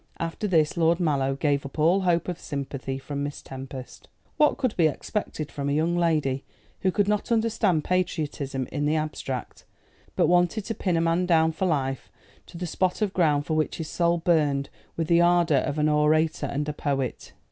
After this Lord Mallow gave up all hope of sympathy from Miss Tempest. What could be expected from a young lady who could not understand patriotism in the abstract, but wanted to pin a man down for life to the spot of ground for which his soul burned with the ardour of an orator and a poet?